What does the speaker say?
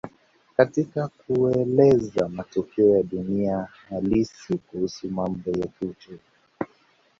Katika kueleza matokeo ya dunia halisi kuhusu mambo ya kiuchumi